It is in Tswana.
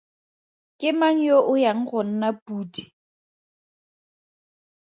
Ke mang yo o yang go nna podi?